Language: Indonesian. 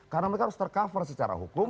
karena mereka harus ter cover secara hukum